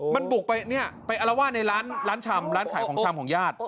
มันบุกไปอละวาดในร้านขายของชำของยาด